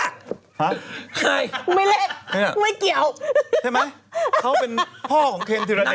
ใครไม่เล่นไม่เกี่ยวใช่ไหมเขาเป็นพ่อของเคนธีรเดช